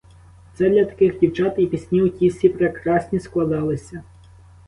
Оце для таких дівчат і пісні оті всі прекрасні складалися.